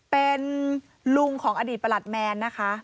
เป็นลุงของอดีตประหลัดแมนนะคะ